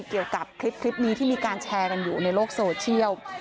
เกี่ยวกับคลิปนี้ที่มีการแชร์กันอยู่ในโลกโซเชียล